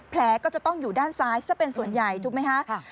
แผลก็จะต้องอยู่ด้านซ้ายซะเป็นส่วนใหญ่ถูกไหมคะ